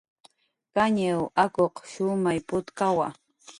Kañiw akuq shumay putkawa